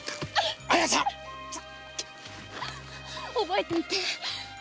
覚えていて？